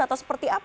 atau seperti apa